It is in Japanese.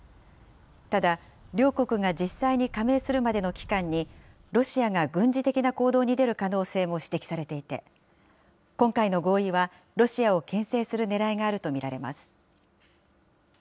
ただ、両国が実際に加盟するまでの期間に、ロシアが軍事的な行動に出る可能性も指摘されていて、今回の合意は、ロシアをけん制するねらいがあると見られます。